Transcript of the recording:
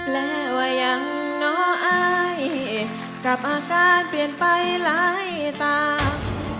และว่ายังน้ออายกับอาการเปลี่ยนไปหลายตา